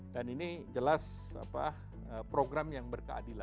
dan ini jelas program yang berkeadilan